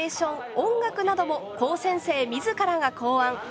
音楽なども高専生自らが考案。